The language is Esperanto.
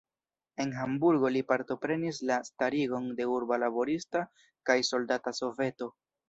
En Hamburgo li partoprenis la starigon de urba laborista kaj soldata soveto.